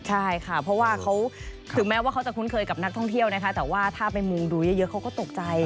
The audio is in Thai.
ใช่ค่ะเพราะว่าเขาถึงแม้ว่าเขาจะคุ้นเคยกับนักท่องเที่ยวนะคะแต่ว่าถ้าไปมุงดูเยอะเขาก็ตกใจ